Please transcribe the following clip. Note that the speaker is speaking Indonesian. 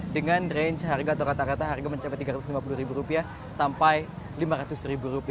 dengan range harga atau rata rata harga mencapai rp tiga ratus lima puluh sampai rp lima ratus